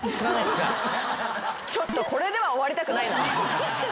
ちょっとこれでは終わりたくないな。